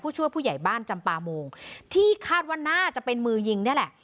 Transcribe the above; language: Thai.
ช่วยผู้ใหญ่บ้านจำปาโมงที่คาดว่าน่าจะเป็นมือยิงนี่แหละ